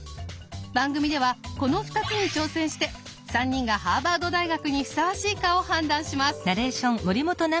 番組ではこの２つに挑戦して３人がハーバード大学にふさわしいかを判断します。